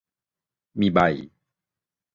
มีใบ